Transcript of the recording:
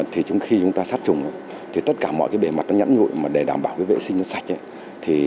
khi chúng ta sát trùng tất cả mọi bề mặt nhẫn ngụy để đảm bảo vệ sinh sạch